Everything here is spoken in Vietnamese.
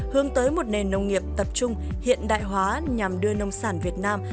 hướng tới một nền nông nghiệp tập trung hiện đại hóa nhằm đưa nông sản việt nam